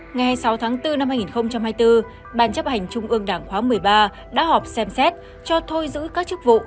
ngày hai mươi sáu tháng bốn năm hai nghìn hai mươi bốn ban chấp hành trung ương đảng khóa một mươi ba đã họp xem xét cho thôi giữ các chức vụ